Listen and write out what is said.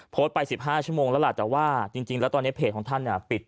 ไป๑๕ชั่วโมงแล้วล่ะแต่ว่าจริงแล้วตอนนี้เพจของท่านเนี่ยปิด